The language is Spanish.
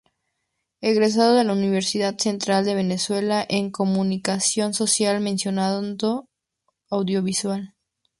Egresada de la Universidad Central de Venezuela en Comunicación social mención Audiovisual.